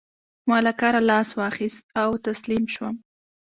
ما له کاره لاس واخيست او تسليم شوم.